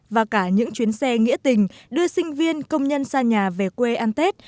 và cả những chuyến xe nghĩa tình đưa sinh viên công nhân xa nhà về quê ăn tết